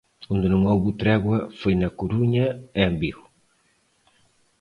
Onde non houbo tregua foi na Coruña e en Vigo.